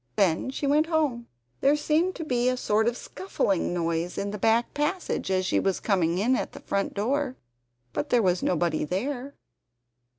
Then she went home. There seemed to be a sort of scuffling noise in the back passage, as she was coming in at the front door. But there was nobody there.